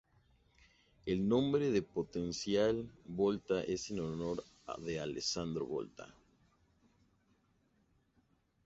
El nombre de potencial Volta es en honor de Alessandro Volta.